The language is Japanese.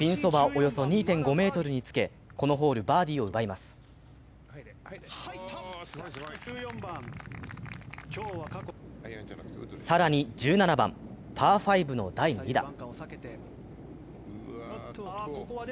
およそ２．５ｍにつけこのホール、バーディーを奪います更に１７番、パー５の第２打。